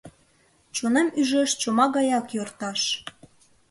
Чонем ӱжеш чома гаяк йорташ.